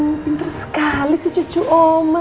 aduh pinter sekali si cucu oma